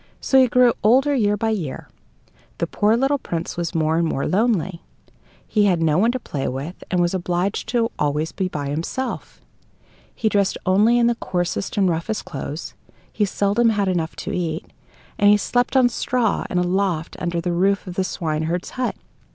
So as he grew older year by year, the poor little Prince was more and more lonely. He had no one to play with, and was obliged to be always by himself. He dressed only in the coarsest and roughest clothes; he seldom had enough to eat, and he slept on straw in a loft under the roof of the swineherd's hut.